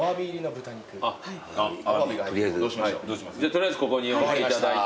取りあえずここに置いていただいて。